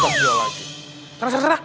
tenang tenang tenang